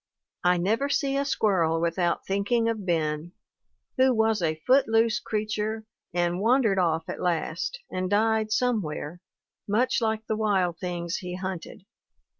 I never see a squirrel without think i8o THE WOMEN WHO MAKE OUR NOVELS ing of Ben, who was a foot loose creature and wan dered off at last, and died somewhere, much like the wild things he hunted.